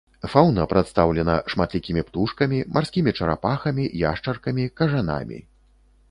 Фаўна прадстаўлена шматлікімі птушкамі, марскімі чарапахамі, яшчаркамі, кажанамі.